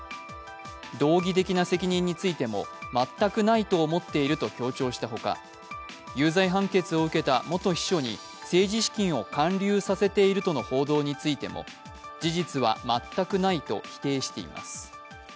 道義的な責任についても、全くないと思っていると強調したほか、有罪判決を受けた元秘書に政治資金を還流させているとの報道についても事実は全くないと否定しています。